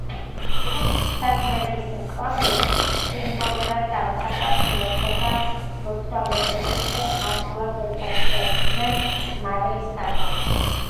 საკმევლის კვამლი სიმბოლურად გამოხატავს მლოცველთა ლოცვა-ვედრების ასვლას ზეცაში და იქიდან მადლის გადმოსვლას.